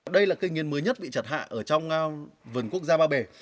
đây là cây nghiến mới nhất bị chặt hạ ở trong vườn quốc gia ba bể